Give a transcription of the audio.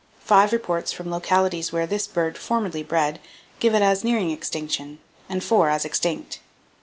Five reports from localities where this bird formerly bred give it as nearing extinction, and four as extinct.